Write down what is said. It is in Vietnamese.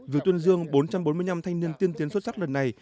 việc tuyên dương bốn trăm bốn mươi năm thanh niên tiên tiến xuất sắc lần này